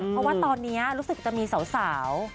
เพราะว่าตอนนี้รู้สึกจะมีสาว